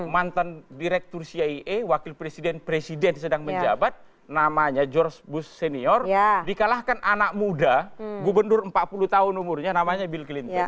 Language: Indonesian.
mantan direktur cie wakil presiden presiden sedang menjabat namanya george bush senior dikalahkan anak muda gubernur empat puluh tahun umurnya namanya bill clinton